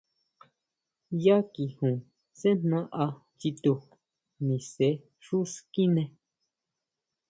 Yá kijun sejna á chitú, nise xú skine.